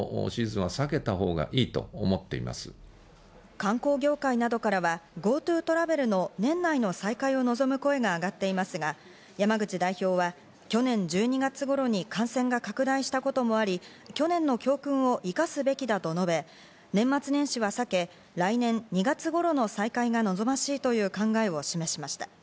観光業界などからはＧｏＴｏトラベルの年内の再開を望む声があがっていますが、山口代表は、去年１２月頃に感染が拡大したこともあり、去年の教訓を生かすべきだと述べ、年末年始は避け、来年２月頃の再開が望ましいという考えを示しました。